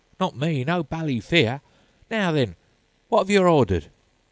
Not me. No bally fear. Now, then, wot 'ave yer ordered?